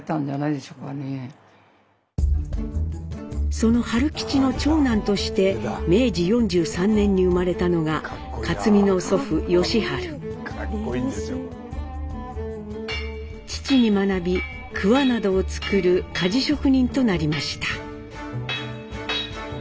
その春吉の長男として明治４３年に生まれたのが父に学びクワなどを作る鍛冶職人となりました。